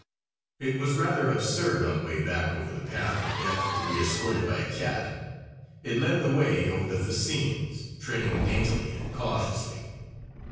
It was rather absurd on the way back over the path of death to be escorted by a cat. It led the way over the fascines, treading daintily and cautiously.